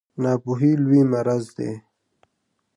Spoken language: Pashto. ناپوهي لوی مرض دی